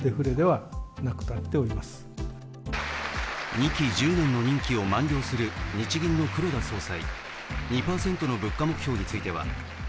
２期１０年の任期を満了する日銀の黒田総裁。